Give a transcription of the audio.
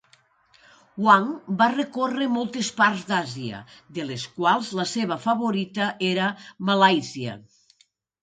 Huang va recórrer moltes parts d'Àsia, de les quals la seva favorita era Malàisia.